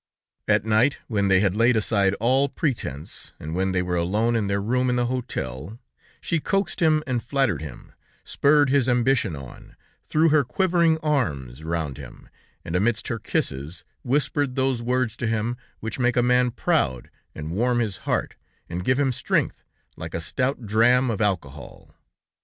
At night, when they had laid aside all pretense, and when they were alone in their room in the hotel, she coaxed him and flattered him, spurred his ambition on, threw her quivering arms around him, and amidst her kisses, whispered those words to him, which make a man proud and warm his heart, and give him strength, like a stout dram of alcohol.